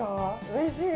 うれしい。